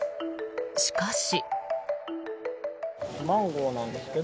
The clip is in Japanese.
しかし。